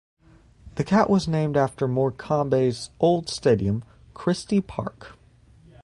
The cat was named after Morecambe's old Stadium, Christie Park.